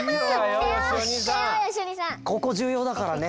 ここじゅうようだからね